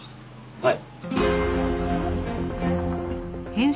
はい。